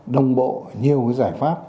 đồng bộ nhiều giải pháp